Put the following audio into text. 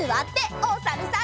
おさるさん。